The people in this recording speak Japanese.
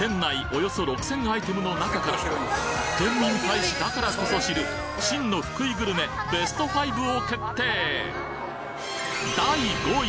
およそ６，０００アイテムの中からケンミン大使だからこそ知る真の福井グルメＢＥＳＴ５を決定！